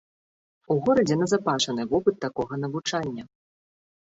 У горадзе назапашаны вопыт такога навучання.